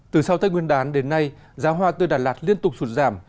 từ sau tây nguyên đán đến nay giá hoa từ đà lạt liên tục sụt giảm